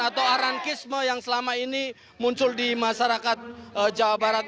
atau arankisme yang selama ini muncul di masyarakat jawa barat